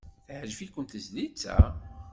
Teɛjeb-iken tezlit-a?